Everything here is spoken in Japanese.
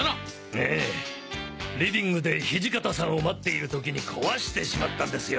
ええリビングで土方さんを待っている時に壊してしまったんですよ。